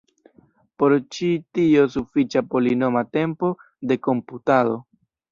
Por ĉi tio sufiĉa polinoma tempo de komputado.